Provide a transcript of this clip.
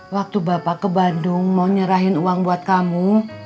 waktu bapak ke bandung mau nyerahin uang buat kamu